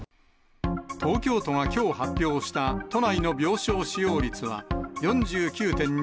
東京都がきょう発表した都内の病床使用率は、４９．２％。